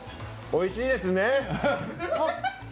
おいしいですね。